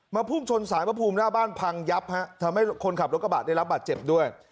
พุ่งชนสายพระภูมิหน้าบ้านพังยับฮะทำให้คนขับรถกระบะได้รับบาดเจ็บด้วย